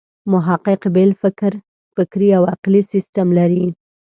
محقق بېل فکري او عقلي سیسټم لري.